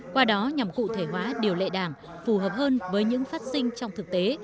qua đó nhằm cụ thể hóa điều lệ đảng phù hợp hơn với những phát sinh trong thực tế